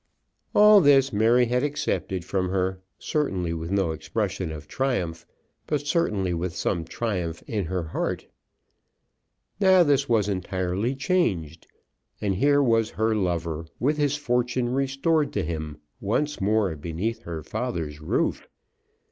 All this Mary had accepted from her, certainly with no expression of triumph, but certainly with some triumph in her heart. Now this was entirely changed, and here was her lover, with his fortune restored to him, once more beneath her father's roof!